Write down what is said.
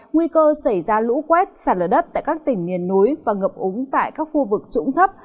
nguy cơ xảy ra lũ quét sạt lở đất tại các tỉnh miền núi và ngập úng tại các khu vực trũng thấp